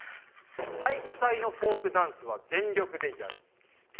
「体育祭のフォークダンスは全力でやる」